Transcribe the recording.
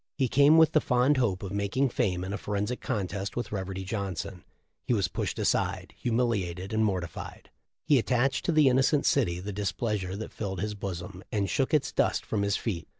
He came with the fond hope of making fame in a forensic contest with Reverdy Johnson. He was pushed aside, humilated and mortified. He attached to the innocent city the displeasure that filled his bosom, and shook its dust from his feet."